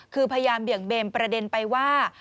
คือพยายามเบี่ยงเบนประเด็นไปว่า